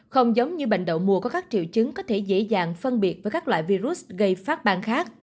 không giống như bệnh đậu mùa có các triệu chứng có thể dễ dàng phân biệt với các loại virus gây phát bang khác